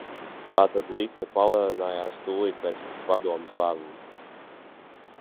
Tātad likme palielinājās tūlīt pēc Padomes lēmuma.